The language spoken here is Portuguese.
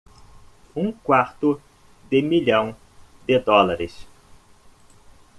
Um quarto de milhão de dólares.